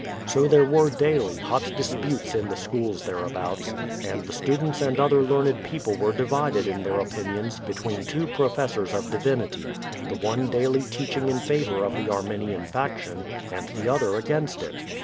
So there were daily hot disputes in the schools thereabouts, and the students and other learned people were divided in their opinions between two professors of divinity, the one daily teaching in favour of the Arminian faction, and the other against it.